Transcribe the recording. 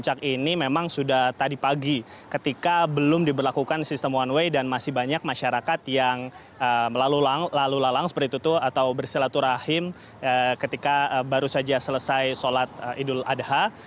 jadi ini memang sudah tadi pagi ketika belum diberlakukan sistem one way dan masih banyak masyarakat yang melalui lalu lalang seperti itu atau bersilaturahim ketika baru saja selesai sholat idul adha